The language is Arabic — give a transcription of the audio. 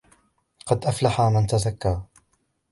قد أفلح من تزكى